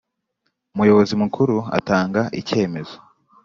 Umuyobozi Mukuru atanga icyemezo